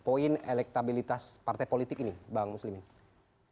poin elektabilitas partai politik ini bang muslimin